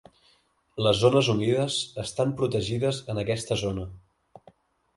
Les zones humides estan protegides en aquesta zona.